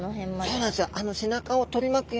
そうなんですよ。